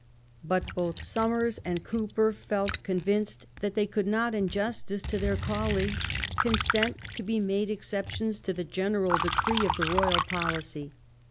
But both Somers and Cowper felt convinced that they could not, in justice to their colleagues, consent to be made ez 833 THE TRIUMPH OF THE TOBIES ceptions to the general decree of the royal policy.